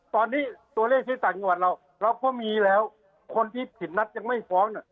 ตอนนี้ตัวเลขที่ต่างจังหวัดเราเราก็มีแล้วคนที่ผิดนัดยังไม่ฟ้อง